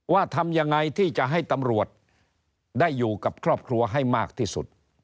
ทำยังไงที่จะให้ตำรวจได้อยู่กับครอบครัวให้มากที่สุด